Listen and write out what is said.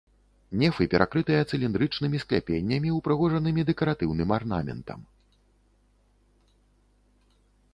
Нефы перакрытыя цыліндрычнымі скляпеннямі, упрыгожанымі дэкаратыўным арнаментам.